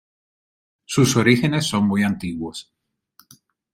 Sus orígenes son muy antiguos.